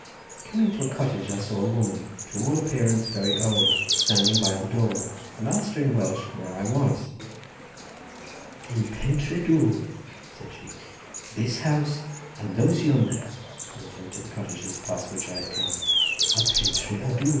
Coming to a cottage, I saw a woman, to all appearance very old, standing by the door, and asked her in Welsh where I was. "In Pentré Dwr," said she. "This house and those yonder," pointing to the cottages past which I had come, "are Pentré y Dwr.